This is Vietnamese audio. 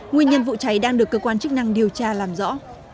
nguyên nhân vụ cháy đang được cơ quan chức năng điều tra làm rõ